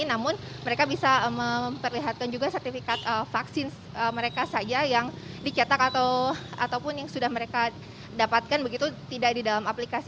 namun mereka bisa memperlihatkan juga sertifikat vaksin mereka saja yang dicetak ataupun yang sudah mereka dapatkan begitu tidak di dalam aplikasi